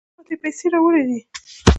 یونس خان د ټېسټ کرکټ مشر بېټسمېن دئ.